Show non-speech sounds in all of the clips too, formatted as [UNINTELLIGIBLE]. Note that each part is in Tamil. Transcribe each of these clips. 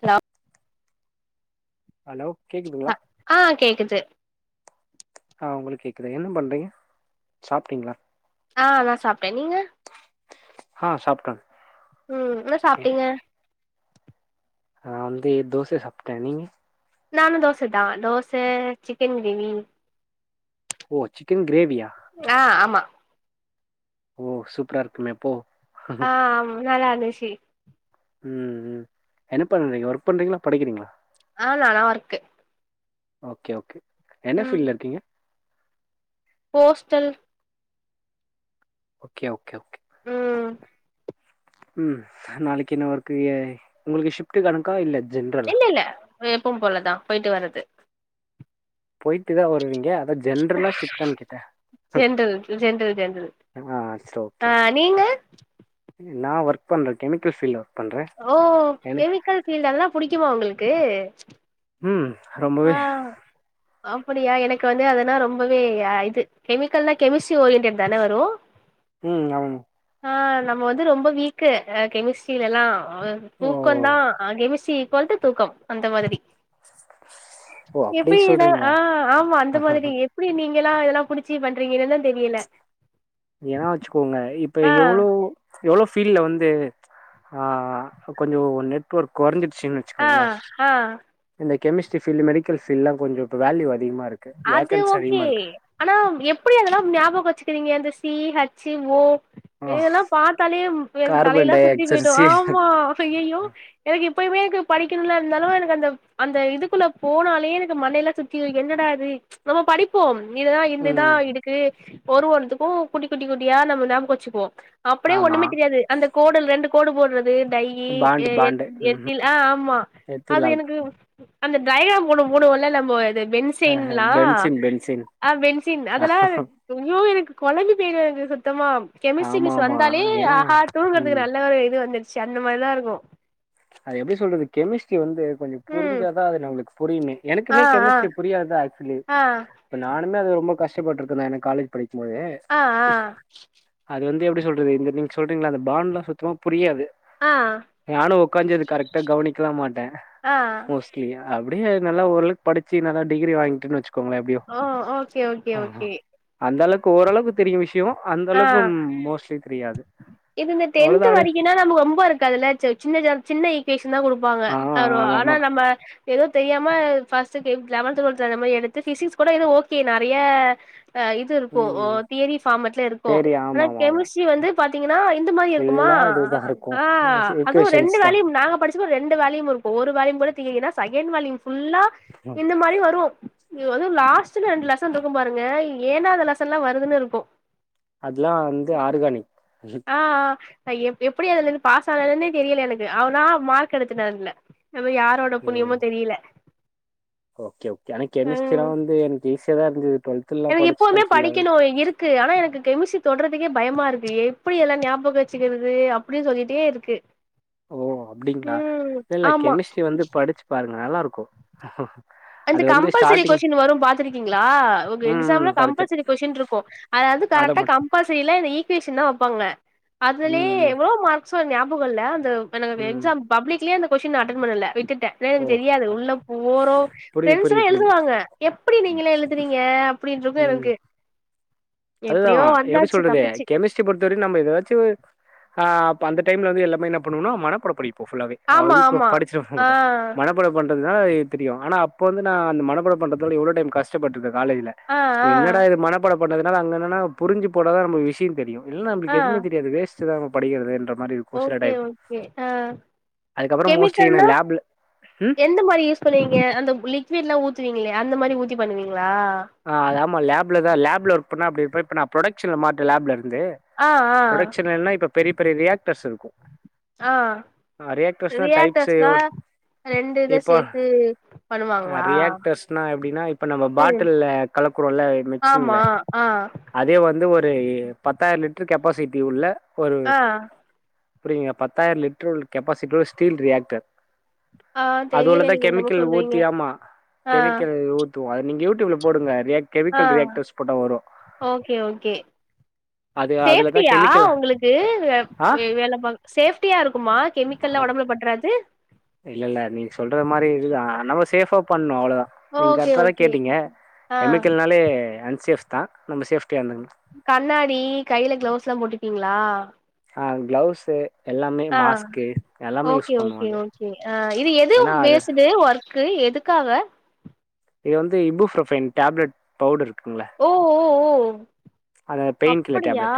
ஹலோ ஹலோ கேக்குதுங்களா ஆ கேக்குது ஆ உங்களுக்கு கேக்தா என்ன பண்றீங்க சாப்ட்டீங்களா ஆ நா சாப்ட்டே நீங்க ஆ சாப்டங் ம் என்ன சாப்ட்டீங்க நா வந்து தோச சாப்ட்டே நீங்க நானு தோச தா தோச சிக்கன் கெவி ஓ சிக்கன் கிரேவியா ஆ ஆமா ஓ சூப்ரா இருக்குமே எப்போ ஆ ஆமா நல்லாருந்துஷி ம் ம் என்ன பண்றீங்க ஒர்க் பண்றீங்ளா படிக்கிறீங்களா நானா நா ஒர்க்கு ஓக்கே ஓக்கே என்ன ம் ஃபீல்ல இருக்கீங்க போஸ்டல் ஓக்கே ஓக்கே ஓக்கே ம் ம் நாளக்கி என்ன ஒர்க்கு உங்களுக்கு ஷிஃப்ட்டு கணக்கா இல்ல ஜென்ரலா ரு எப்பும் போலதா போய்ட்டு வரது போய்ட்டு தா வருவிங்க அதா ஜென்ரலா ஷிஃப்டானு கேட்டே ஜென்ரல் இது ஜென்ரல் ஜென்ரல் ஆ சரி ஓகே ஆ ஓகே நீங்க நா ஒர்க் பண்ற கெமிக்கல் ஃபீல்ல ஒர்க் பண்ற எனக் கல் ஃபீல்டெல்லா புடிக்குமா உங்களுக்கு ம் ஆ ரொம்பவே அப்படியா எனக்கு வந்து அதுனா ரொம்பவே அ இது கெமிக்கல்னா கெமிஸ்டி ஓரியன்டட் தான வரு ம் ஆமா ஆ நம்ம வந்து ரொம்ப வீக்கு ஆ கெமிஸ் கெமிஸ்ரி எல்லா ஆ ஓ தூக்கோந்தா ஆ கெமிஸ்ரி இகுவால்ட்டு தூக்கம் அந்த மாதிரி ஓ அப்டி எப்டினா சொல்றீங்களா? ஆ ஆமா அந்த மாதிரி எப்டி நீங்கல்லா இதெல்லா புடிச்சு பண்றீங்கன்னுதா தெரியல ஞாவச்சுக்கோங்க இப்ப ஆ எவ்வளோ எவ்ளோ ஃபீல்ல வந்து ஆ கொஞ்சூ நெட்ஒர்க் கொறஞ்சிடுச்சுன்னு ஆ வச்சுக்கோங்களேன். ஆ இந்த கெமிஸ்ட்ரி ஃபீல்டு மெடிக்கல் பீல்டுல்லா கொஞ்சு இப்ப வேல்யூ அதிகமா இருக்கு அது வேக்கன்ஸி ஓகே அதிகமா இருக்கு ஆனா எப்டி அதெல்லா ஞாபக வச்சுக்கிறீங்க அந்த சி ஹச்சி ஓ ஆ இதெல்லா பாத்தாலே எனக்கு கார்பன் தலையெல்லா டை சுத்தி ஆக்சைடு பொய்டு சி ஆமா அய்யய்யோ எனக்கு இப்பயுமே எனக்கு படிக்கணும்ல இருந்தாலு எனக்கு அந்த அந்த இதுக்குள்ள போனாலே எனக்கு மண்டையெல்லா சுத்தி என்னடாது [UNINTELLIGIBLE] நம்ம படிப்போ இதுதா இந்ததா ம் இதுக்கு ஒருஒன்னுத்துக்கு குட்டி குட்டி குட்டியா நம்ம ஞாபக வச்சுப்போ அப்டியே ஆமா. ஒண்ணுமே தெரியாது அந்த கோடல் ரெண்டு கோடு போடுறது டையி பாண்டு எ பாண்டு ம்ஹ்ம். எத்தில் ஆ ஆமா அது எத்திலால் எனக்கு அந்த டைரகிராம் ஒன்னு போடுவோல்ல நம்மோ அது பென்சு சின்லா பென்சின் பென்சின். ஆ வென்சின் அதெல்லா அய்யோ எனக்கு கொழம்பி பொய்டு எனக்கு சுத்தமா கெமிஸ்டிரி மிஸ் ஆமாமா. வந்தாலே ஏன்னா ஆகா தூங்கறதுக்கு ம் நல்லா ஒரு இது வந்துருச்சி அந்த மாதிரிதா இருக்கு அது எப்டி சொல்றது கெமிஸ்ட்ரி வந்து கொஞ்சு ம் புரிஞ்சாதா அது நம்மளுக்கு புரியுமே ஆ எனக்குமே ஆ கெமிஸ்ட்ரி புரியாதுதா ஆக்சுவலி ஆ இப்ப நானுமே அது ரொம்ப கஷ்டபட்டுருக்கேந்தா எனக்கு காலேஜ் படிக்கு போது ஆ ஆ அது வந்து எப்டி சொல்றது இந்த நீங்க சொல்றீங்களா அந்த பான்ட்லா சுத்தமா புரியாது ஆ ஆ நானு கரெக்ட்டா கவனிக்கலா மாட்டே ஆ மோஸ்ட்லி அப்டியே நல்ல ஓரளவுக்கு படிச்சு நல்லா டிகிரி வாங்கிட்டுன்னு வச்சுக் அவங்களா எப்டியோ ஓ ஓகே ஓகே ஆ ஆ ஓகே அந்த அளவுக்கு ஓரளவுக்கு தெரியு விஷயோ அந்த ஆ அளவுக்கு மோஸ்லி தெரியாது இது இந்த டென்த் அவ்ளோதாடு வரைக்குனா நமக்கு ரொம்ப இருக்காதுல சி சின்ன சின்ன ஈ ஈகுவேசன் தா குடுப்பாங்க ஆ ஆமா ஆனா ஆமா நம்ம ஏதோ தெரியாம பஸ்ட்டு லெவன்த் டுவெல்த் அந்த மாதிரி எடுத்து பிசிக்ஸ் கூட எதோ ஓக்கே நறைய ஆ இது இருக்கு ம் தியரி பார்மட்டுல இருக்கு தெரி ஆனா ஆமா ஆமா ஆமா கெமிஸ்ட்ரி வந்து ஏனா இந்த மாரி இருக்குமா ஃபுல்லா இதுதா இருக்கு ஆ அது ரெண்டு ஈக்குவேஷன்ஸ் தா வாலிம் நாங்க படிச் மேக்சிமம் ரெண்டு வாலிம் இருக்கு ஒரு வாலிம் கூட திங்கன்னா செகண்ட் வாலிம் புல்லா இந்த மாதிரி வரு இது வந்து லாஸ்ட் ரெண்டு லெசன் இருக்கு பாருங்க ஏனா இந்த லெசன்லா வருதுன்னு இருக்கு அதெல்லா வந்து ஆர்கானிக் ஆ ஆ எப்டி அதுல இருந்து பாஸ் ஆனதுன்னே தெரியல எனக்கு ஆனா மார்க் எடுத்துட்ட அதுல நம்ம யாரோட புண்ணியமோ தெரியல ஓக்கே ஓக்கே ஆனா கெமிஸ்ட்ரி எல்லா ம் வந்து எனக்கு இசியா தா இருந்து டுவல்த் எனக்கு எப்போதுமே படிக்கணு இருக் கு ஆனா எனக்கு கெமிஸ்ரி தொடுறதுக்கே பயமா இருக்கு எப்டி எல்லா ஞாபக வச்சுக்கிறது அப்டின்னு சொல்லிட்டே இருக்கு ஓ அப்டிங்களா ம் இல்ல இல்ல ஆமா கெமிஸ்ட்ரி வந்து படிச்சு பாருங்க நல்லாருக்கு அந்த கம்பல்சரி கொஸ்டின் வரு பாத்திருக்கீங்களா உங்க ம், ம். எக்ஸாம்ல படிச்சேன். கம்பல்சரி கொஸ்டின் இருக்கு அதாவது அத கரெக்டா மட் கம் அப்பாசைல இந்த ஈக்குவேஷன் தா வெப்பாங்க ம், அதுலேயே ம், எவ்ளோ மார்க்ஸோ ஞாபகமில்ல அந்த எனக்கு ம். எக்ஸாம் பப்ளிக்லயே அந்த கொஸ்டின் அட்டன் பண்ணல விட்டுட்டே ஏனா ஓ! எனக்கு தெரியாது அப் உள்ள போறோ புரியுது பிரண்ட்ஸ்சுனா புரியுது புரியுது. எழுதுவாங்க எப்டி நீங்களே எழுதுறீங்க அப்டின்ட்ருக்கு எனக்கு அதுதா எப்டியோ எப்டி வந்தாச்சு சொல்றது தப்பிச்சு கெமிஸ் பொறுத்தவரைக்கும் நம்ம ஏதாச்சு அ அப் அந்த டைம்ல வந்து எல்லாமே என்ன பண்ணுனா மனப்பாடோ படி ப்பு புல்லாவே ஆ ஆமா ஈகோ ஆமா படிச்சிருவ ஆ ஓங்கட்டு மனப் படம் பண்றதுதா ஏ தெரியு ஆனா அப்ப வந்து நா அந்த மனபாடோ பண்றதோட எவ்ளோ டைம் கஷ்டப்பட்டுட்ட காலேஜில ஆ ஆ என்னடா இது மனப்பாட பண்ணதுனால அங்க என்னா புரிஞ்சி போடாதா நமக்கு விஷ்யோ தெரியு இல்லனா ஆ நமக்கு எதுமே தெரியாது வேஸ் ட்டுதா நம்மோ படிடுகிறதே என்றப் மாறி இருக்கு சில ஓகே டைம் ஓகே ஆ அதுக்கப்ரோம் மோஸ்லி என்ன லேப்ல இந்த மாறி யூஸ் பண்ணுவீங்க அந்த லிக்விடுலா ஊத்துவீங்களே அந்த மாறி ஊத்தி பண்ணுவீங்ளா ஆ ஆமா லேப்ல தா லேப்ல ஒர்க் பண்ணா அப்டி இருப்ப இப்போ நா புரொடக்ஷன் ல மாற்ட‌ லேப்ல இருந்து ஆ ஆ புரொடக்ஷனல்லா இப்ப பெரிய பெரிய ரியாக்டர்ஸ் இருக்கு ஆ ஆரே பிரசாத் டைப்ஸ் ரியாக்டர்ஸ்னா செய்யோடு ரெண்டு இத இப்போ சேத்து அ பண்ணுவாங்களா ரியாக்டர்ஸ்னா எப்டின்னா இப்ப நம்ம பாட் ம் டில்ல கலக்குரோல மிக்சிங்ல ஆமா ஆ அதே வந்து ஒரு பத்தாயிரோ லிட்டர் கெப்பாசிட்டி உள்ள ஒரு ஆ புரிங்க பத்தாயிர லிட்டரு கெப்பாசிட்டி உள்ள ஸ்டீல் ரியாக்டர் ஆ அது உள்ள தெரியல தா நீங்க என்னமோ கெமிக்கல் சொல்றீங்க ஊத்தி ஆமா ஆ கெமிக்கல் ஊத்துவோ அது நீங்க உட் உள்ள போடுங்க ஆ கெமிக்கல் ரியாக்டர்ஸ் போட்ட வரு அது அதுலதா சேஃப்ட்டியா கெமிக்கல் உங்ளுக்கு ஆ வே வேல பாக் சேஃப்டியா இருக்குமா கெமிக்கல்லா ஒடம்புல பட்றாது இல்ல இல்ல நீங்க சொல்ற மாறி இதுதா நம்ம சேஃபா பண்ணோ அவ்ளோ தா நீங்க ஓகே கரெக்டா தா ஓகே கேட்டீங்க ஆ கெமிக்கல்னாலே அன்சேஃப் தா நம்ம சேஃப்டியா இருந்துங்கணு கண்ணாடி கைல கிளவுஸ்லா போட்டுப்பீங்ளா ஆ கிளவுஸு எல்லாமே ஆ மாஸ்க்கு எல்லாமே ஓகே யூஸ் பண்ணுவோ ஓகே அது ஓகே ஆ இது ஏன்னா எதும் அது பேசிடு ஒர்க் க்கு எதுக்காக இது வந்து இபுஃப்ரொபைன் டேப்லட் பவுடர் இருக்குங்கள அது பெயின் கில்லர் அப்டியா டேப்லெட்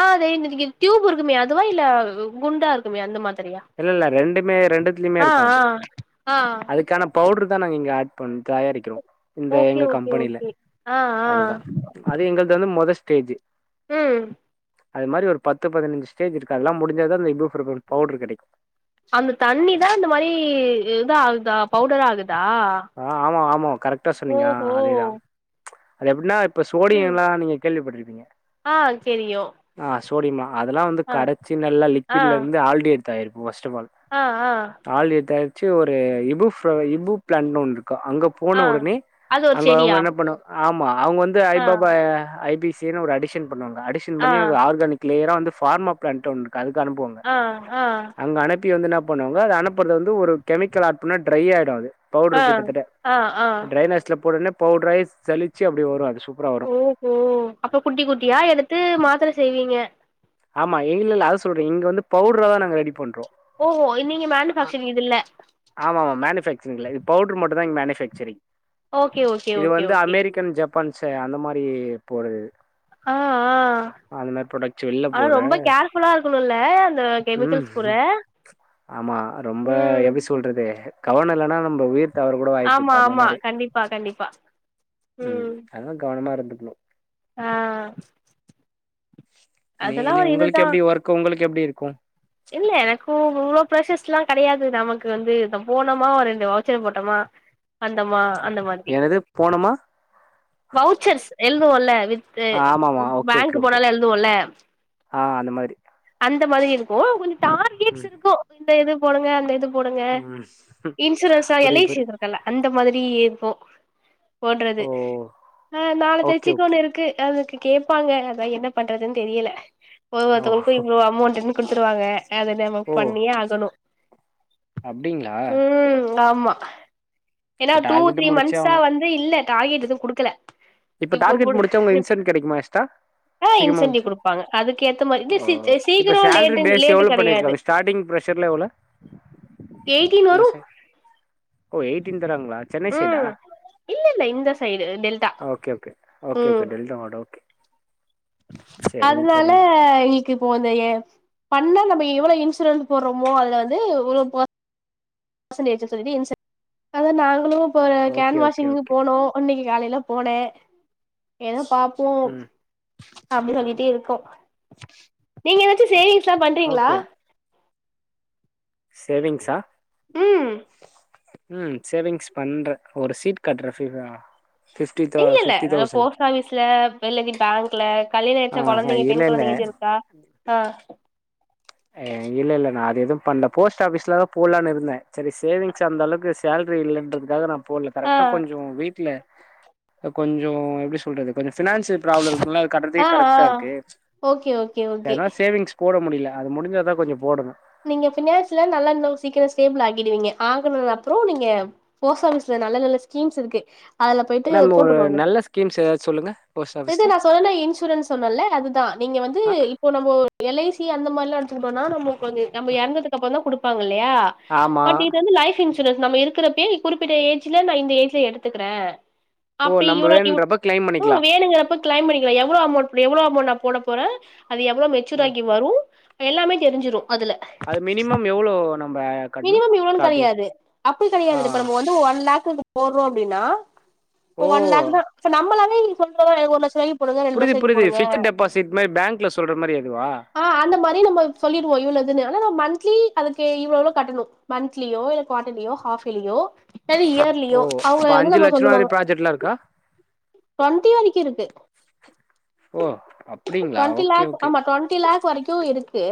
ஆ அதே டியூப் இருக்குமே அதுவா இல்ல குண்டா இருக்குமா அந்த மாதிரியா இல்ல இல்ல ரெண்டுமே ரெண்டுத்துலியுமே ஆ இருக்கு ஆ அது ஆ அதுக்கான பவுடர் தா நாங்க இங்கே ஆட் பண்ண தயாரிக்கிறோ இந்த ஓகே எங்க ஓகே கம்பெனியில ஓகே ஆ ஆ அதுதா அது எங்கள்ட‌ வந்து முத ஸ்டேஜு ம் அது மாறி ஒரு பத்து பதினஞ்சி ஸ்டேஜ் இருக்கு அதெல்லா முடிஞ்ச அந்த இஃபோ பிரமோட் பவுடர் கெடைக்கு அந்த தண்ணிதா இந்த மாறி இத ஆகுதா பவுடர் ஆகுதா ஆ ஆமா ஆமா கரெக்டா சொன்னீங்க ஓஹோ அதே தா அது எப்டினா இப்ப ம் சோடியல்லா நீங்க கேள்விப்பட்ருப்பீங்க ஆ தெரியு ஆ சோடியமா அதெல்லா வந்து ஆ கரைச்சி நல்லா ஆ லிக்விட்ல இருந்து ஆல்டேட் தயாரிப்பு ஃபர்ஸ்ட் ஆஃப் பால் ஆ ஆ ஆழு இதாயிச்சி ஒரு இபுப் ஃப் இபு பிளான்னு ஒன்னு இருக்கு அங்க ஆ போன உடனே அது ஒரு அங்க அவங்க செடியா என்ன பண்ணுவா ஆமா அவங்க வந்து ஐ ஆ பாபா ஐ பி சினு ஒரு அடிஷன் பண்ணுவாங்க அடிஷன் ஆ பண்ணி ஒரு ஆர்கானிக் கிளியரா வந்து ஃபார்மா பிளான்ட்ருக்கு அதுக்கு அனுப்புவாங்க ஆ ஆ அங்க அனுப் ப்பி வந்து இன்னா பண்ணுவாங்க அனுப்புறது வந்து ஒரு கெமிக்கல் ஆப்ல ட்ரை ஆயிடும் அது பவுட்ரு ஆ கிட்டத்தட்ட ஆ ஆ ட்ரை நைஸ்ல போட்டோனா பவுட்ராய் சலிச்சு அப்டி வரும் அது சூப்பரா வரும் ஓ ஓ அப்ப குட்டி குட்டியா எடுத்து மாத்திர செய்வீங்க ஆமா எதுவ்மே இல்ல அவ் சொல்றே இங்க வந்து பவுட்ரா தா நாங்க ரெடி பண்றோம் ஓஹோ நீங்க மேனுஃபேக்சரிங் இது இல்ல ஆமா ஆமா மேனுஃபேக்சரிங்ள இது பவுட்ரு மட்டும் தா இங்க மேனுஃபேக்சரிங் ஓகே ஓகே இது ஓகே வந்து ஓகே அமெரிக்கன் ஜப் பான்சு அந்த மாரி போறதது ஆ ஆ அந்த மாரி புரொடக்ஷன் எல்லா ஆனா ரொம்ப கேர்ஃபுல்லா இருக்கனுல்ல அந்த ம் கெமிக்கல்ஸ் கூட ஆமா ரொம்ப ம் எப்டி சொல்றது கவன இல்லன்னா நம்ப உயிர் தவர கூட ஆமா வாய்ப்புக்கு அந்த ஆமா மாரி கண்டிப்பா கண்டிப்பா ம் அதா கவனமா இருந்துக்கணு ஆ நீ அதெல்லா இனி ஒரு உங்களுக்கு இதுதா எப்டி ஒர்க்கு உங்களுக்கு எப்டி இருக்கும் இல்ல எனக்கும் இவ்ளோ ஃப்ரஷர்ஸ்ல்லா கெடயாது நமக்கு வந்து போனோமா ஒரு ரெண்டு வவுச்சர போட்டமா வந்தமா அந்த மாதிரி எனது போனமா வவுச்சர்ஸ் எழுதுவோல வித் இது ஆமாமா ஓகே ஓகே பேங்க்கு ஓகே போனாலா எழுதுவோல ஆ அந்த மாதிரி அந்த மாரி இருக்கும் கொஞ்சம் டார்கெட்ஸ் ம் இருக்கும் இந்த இது போடுங்க அந்த இது போடுங்க ம் இன்சூரன்ஸா எல் ஐ புரியுது சி புரியுது கல அந்த மாதிரி இருக்கும் போட்றது ஓ ஆ நாலு ஓகே தெரிச்சிக்கு ஓகே ஒன்னு இருக்கு அதுக்கு கேப்பாங்க அதா என்ன பண்றதுன் தெரியல ஒரு ஓ ஒருத்தவங்களுக்கும் இவ்ளோ அமவ்ண்ட்டுன்னு குடுத்துருவாங்க அவ் நாமோ ஓ பண்ணியே ஆகணு அப்டிங்களா ம் ஆமா ஏன்னா இப்ப டூ டார்கெட்ட த்ரீ முடிச்சே மந்த்ஸா ஆகணு வந்து இல்ல டார்கெட் எதுவும் குடுக்கல இப்ப இப்போ டார்கெட் குடு முடிச்ச உங்க இன்சன்ட கெடைக்குமா எஸ்ட்டா ஆ இன்சென்டிவ் குடுப்பாங்க அதுக்கு ஏத்த மாரி இது ஓ சீக் இப்ப சீக்கிரம் சேலரி லேட்டு பேஸ் லேட்டு எவ்ளோ கடையாது பண்ணிருக்காங்க ஸ்டார்டிங் ஃப்ரெஷர்லா எவ்ளோ எயிட்டின் வரு உங்க சே ஓ எயிட்டின் தராங்ளா ம் இல்ல இல்ல இந்த side delta okay okay okay okay delta மோட ஓகே சரிங்க அதுனால சரிங்க எங் க்கு இப்போ வந்து ஏ பண்ணா நம்போ எவ்வளோ இன்சூரன்ஸ் போட்றோமோ அதுல வந்து ஒரு ப பர்ச்சன்டேஜ்ஜி சொல்லி இன்சென் ஏன்னா நாங்களும் போனோ okay can okay washing okay போனோம் உன்னைக்கு காலையில போன எதோ பாப்போ ம் அப்டி சொல்லிட்டே இருக்கோ நீங்க எதாச்சு சேவிங்ஸ்ல்லா பண்றீங்ளா சேவிங்ஸ்ஸா ம் ம் சேவிங்ஸ் பண்ற ஒரு சீட் கட்ற [UNINTELLIGIBLE] இல்ல இல்ல போஸ்ட் ஆஃபிஸ்ல வெள்ளதி பேங்க்ல கல்யாண் ஆ ஆயிச்சினா கொழந்தைங்க பெண் இல்லை இல்லை கொழந்தைங்க எது இருக்கா ஆ இல்ல இல்ல நா அது எதுவும் பண்ல போஸ்ட் ஆஃபீஸ்ல தா போல்லான் இருந்த சேரி சேவிங்ஸ் அந்தளவுக்கு சேல்ரி இல்லன்றதுக்காக நா போல்ல ஆ கரெக்ட்டா கொஞ்சோ வீட்ல கொஞ்சோ எப்டி சொல்றது கொஞ்ச ஃபினான்சு ப்ராப்ளம் இருக்குல அத கற்றதே ஆ ஆ கரெக்டா இருக்கு ஓகே ஓகே ஓகே எதனா சேவிங்ஸ் போட முடில அது முடிஞ்சா தா கொஞ்ச போடணு நீங்க ஃபினான்ஸ்ல நல்லா இன்னோ சீக்கிர ஸ்டேபிள் ஆகிடுவீங்க ஆகுனது அப்பறோ நீங்க பேஸ்டு ஆஃபீஸ்ல நல்ல நல்ல ஸ்கீம்ஸ் இருக்கு அதுல போயிட்டு மேம் ஒரு போட்டுக்கோங்க நல்ல ஸ்கீம்ஸ் ஏதாச்சு சொல்லுங்க போஸ்ட் இது ஆஃபீஸ்ல நா சொல்லன இன்சூரன்ஸ் சொன்னல அதுதா நீங்க வந்து ஆ இ இப்போ நம்போ எல்ஐசி அந்த மாரிலா எடுத்துக்கிட்டோனா நம்ம கொஞ்ச நம்ம இறந்ததுக்கு அப்புற தா குடுப்பாங்க இல்லையா ஆமா பட் இது வந்து லைஃப் இன்சூரன்ஸ் நம்ம இருக்கிறப்பேயே குறிப்பிட்ட ஏஜ்ல நா இந்த ஏஜ்ல எடுத்துக்குறே ஓ அப்டி நம்ம இவ்ளோ இவ் வேணுன்றப்ப கிளைம் ஓ பண்ணிக்கலா வேணுங்கிறப்ப கிளைம் பண்ணிக்கலா எவ்ளோ அமௌன்ட் எவ்ளோ அமௌண் நா போட போறே அது எவ்ளோ ம் மெச்சூராகி வரு எல்லாமே தெரிஞ்சுரு அதுல அது மினிமம் எவ்ளோ நம்ம கட்ணு மினிமம் ஸ்டார்டிங் ஆ து ஒன் லாக்குக்கு போடுறோ அப்டின்னா இப்ப ஓ ஒன் லாக்கு தா இப்ப நம்மளாவே [UNINTELLIGIBLE] எனக்கு ஒரு லட்ச ரூவாய்க்கி புரிது புரிது ஃபிக்ஸ்ட்டு டெபாசிட் மாரி பேங்க்ல சொல்ற மாரி அதுவா ஆ அந்த மாரி நம்ம சொல்லிடுவோ இவ்வளோ இதுனு ஆனா மந்த்லி அதுக்கு இவ்ளோ இவளோ கட்டணு மன்த்லியோ இல்ல குவாட்டலியோ ஹாஃபேலியோ [UNINTELLIGIBLE] த்திலியோ ஓ அவுங்க அப்ப வந்து அஞ்சு நம்ம லட்ச ரூபா வரை சொல்லுவாங்க ப்ராஜெக்ட்லா இருக்கா டொன்டி வரைக்கு இருக்கு ஓ அப்டிங்களா டொன்ட்டி ஓகே லாக் ஓகே ஆமா டொன்ட்டி லாக் வரைக்கு இருக்கு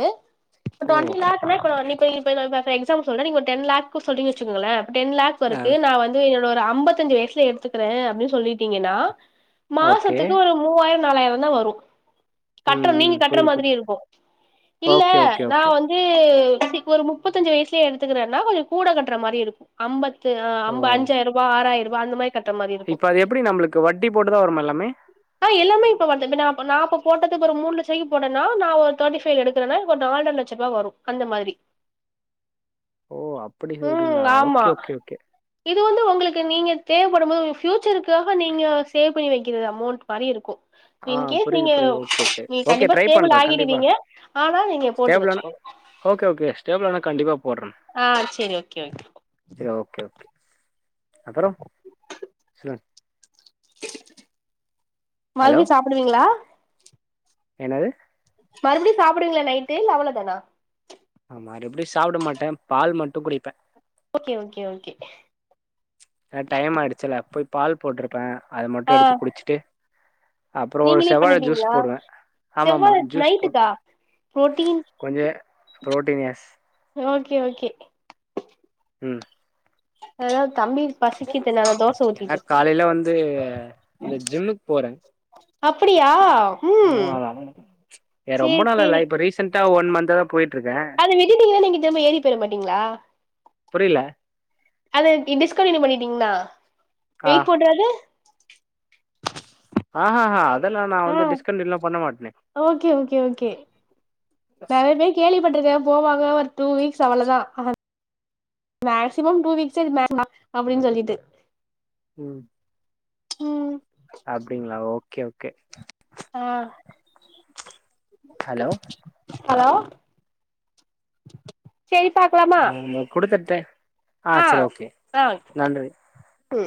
இப்ப ஓ டொன்ட்டி லாக் னா இப்ப நா நிப்ப இப்ப நா இப்ப எக்சாம்ப்ல் சொல்றே நீங்க ஒரு டென் லாக்கு சொல்றீங்கனு வச்சுக்கோங்களே டென் லாக் ப்ப ஆ இருக்கு நா வந்து என்னோர ஐம்பத்தஞ்சு வயசுல எடுத்துக்கறே அப்டின்னு சொல்லிட்டீங்கன்னா ஓகே மாசத்துக்கு ஒரு மூவாயிர நாலாயிர தா வரு ம் கட்ற நீங்க ம் கட்ற புரியுது மாதிரி புரியுது இருக்கு இல்ல ஓகே ஓகே நா ஓகே வந்து இப்ப ஒரு முப்பத்தஞ்சு வயசுலயே எடுத்துக்குறேனா கொஞ்ச கூட கட்ற மாரி இருக்கு அம்ப து அ ஓ அம்ப அஞ்சாயிரூபா ஆறாயிரூபா அந்த மாரி கட்ற மாரி இருக்கு இப்ப அது எப்டி நம்மளுக்கு வட்டி போட்டுதா வருமா எல்லாமே ஆ எல்லாமே இப்ப வந்து இப்ப நா இப்ப போட்டது ஒரு மூணு லட்ச ரூபாய்க்கி போட்டனா நா ஒரு தேர்ட்டி ஃபை எடுக்குறேனா இப்ப நால்ர ல ச்ச ரூவா வரு அந்த மாதிரி ஓ அப்பிடி ம் சொல்றீங்களா ஆமா ஓகே ஓகே ஓகே இது வந்து உங்களுக்கு நீங்க தேவப்படு போது உங்க ஃப்யூச்சருக்காக நீங்க சேவ் பண்ணி வக்கிற அமௌண்டட் மாரி இருக்கு ஆ இன்கேஸ் புரியுது நீங்க புரியுது ஓகே ஓகே நீ ஓகே கண்டிப்பா ட்ரை ஸ்டேபிள் பண்றே கண்டிப்பா ஆகிடுவீங்க ஆனா நீங்க போட்டு ஸ்டேபிளானா வச்சுக்கோங்க ஓகே ஓகே ஸ்டேபிள் ஆனா கண்டிப்பாக போடுறே ஆ சேரி ஓகே ஓகே சேரி ஓகே ஓகே அப்பறோ சொல்லுங் ஹலோ மல்வி சாப்பிடுவீங்களா என்னது மறுபடியு சாப்டுவீங்களா நைட்டு இல்ல அவ்ளோ தானா மறுபடியு சாப்ட மாட்டே பால் மட்டு குடிப்பே ஓகே ஓகே ஓகே அ டைம் ஆயிடுச்சுல போய் பால் போட்டிருப்பே அத ஆ மட்டு எடுத்து குடிச்சுட்டு நீங்களே பண்ணிப்பீங்ளா செவ்வா ஆமாமா ஜூஸ் போட் நைட்டுக்கா ப்ரோட்டீன் கொஞ்ச ப்ரோட்டீன் யெஸ் ஓகே ஓகே ம் ஏதாவது தம்பி பசிக்கிதுனா நா தோச ஏனா ஊத்திட்டுருக்கே காலைல வந்து இந்த ஜிம்முக்கு போறே அப்பிடியா [UNINTELLIGIBLE] ஏ ரொம்ப நாளால்ல சேரி இப்ப ரீசன்டா ஒன் மன்ந்த் தாதா போயிட்டுருக்கே பெற மாட்டீங்களா புரியல அது டிஸ்கன்டினியூ பண்ணிட்டீங்னா ஆ வெயிட் போட்றாது ஆஹஹா அதெல்லா நா ஆ வந்து டிஸ்கன்டினியூல்லா பண்ண மாட்டே ஓகே ஓகே ஓகே நெறைய பேர் கேள்வி பட்ருருக்கே போவாங்க ஒரு டூ வீக்ஸ் அவ்ளோதா மேக்சிமம் டூ வீக்ஸ் [INAUDIBLE] அப்படின்னு சொல்லிட்டு ம் ம் அப்புடிங்களா ஓகே ஓகே ஆ ஹலோ ஹலோ சேரி பாக்கலாம் ம் இந்த குடுத்த டைம் ஆ செரி ஓகே நன்றி க்கு